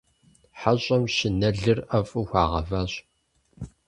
ХьэщӀэм щынэлыр ӀэфӀу хуагъэващ.